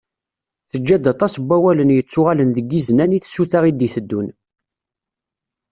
Teǧǧa-d aṭas n wawalen yettuɣalen deg yiznan i tsuta i d-iteddun.